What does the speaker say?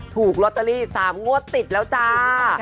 ถูกลอตเตอรี่๓งวดติดแล้วจ้า